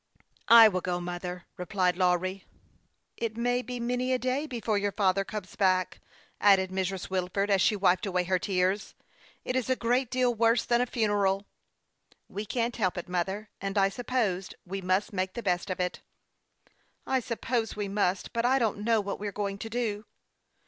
" I will go, mother," replied Lawry, as he rose and put on his cap. " It may be many a day before your father comes back," added Mrs. Wilford, as she wiped away her tears. " It is a great deal worse than a funeral." " We can't help it, mother, and I suppose we must make the best of it." " I suppose we must ; but I don't know what we are going to do."